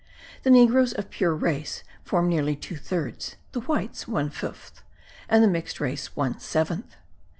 The negroes of pure race form nearly two thirds; the whites one fifth; and the mixed race one seventh.